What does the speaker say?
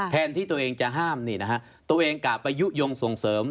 แทนที่ตัวเองจะห้ามนี่นะฮะตัวเองกลับไปยุโยงส่งเสริม